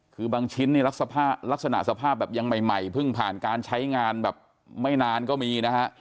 คือบางชิ้นนี่ลักษณะสภาพแบบยังใหม่เพิ่งผ่านการใช้งานแบบไม่นานก็มีนะฮะ